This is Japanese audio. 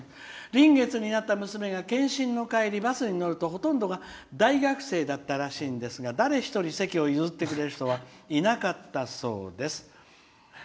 「臨月になった娘が健診の帰りにバスに乗るとほとんどが大学生だったらしいんですが誰一人、席を譲ってくれる人はいなかったそうです」。